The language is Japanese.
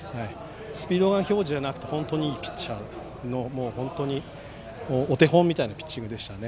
スピードガン表示じゃなくて本当にいいピッチャーで本当にお手本みたいなピッチングでしたね。